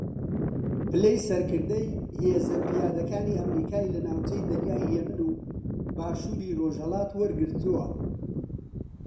پلەی سەرکردەی ھێزە پیادەکانی ئەمریکای لە ناوچەی دەریای ھێمن و باشووری ڕۆژھەڵات وەرگرتووە